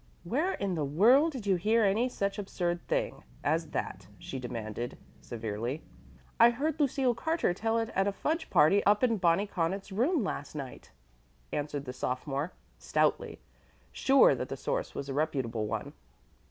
"Where in the world did you hear any such absurd thing as that?" she demanded severely. "I heard Lucille Carter tell it at a fudge party up in Bonnie Connaught's room last night," answered the sophomore, stoutly, sure that the source was a reputable one.